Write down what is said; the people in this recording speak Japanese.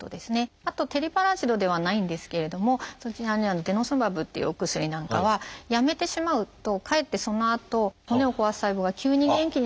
あとテリパラチドではないんですけれどもそちらにある「デノスマブ」っていうお薬なんかはやめてしまうとかえってそのあと骨を壊す細胞が急に元気になって。